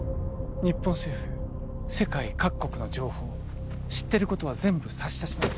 日本政府世界各国の情報知ってることは全部差し出します